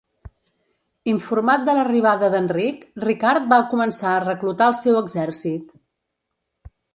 Informat de l'arribada d'Enric, Ricard va començar a reclutar el seu exèrcit.